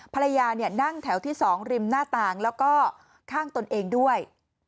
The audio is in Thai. ภรรยานั่งแถวที่๒ริมหน้าต่างแล้วก็ข้างตนเองด้วย